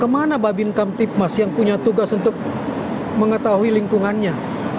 kemana babin kamtipmas yang punya tugas untuk mengetahui lingkungannya